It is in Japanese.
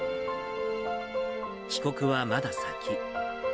帰国はまだ先。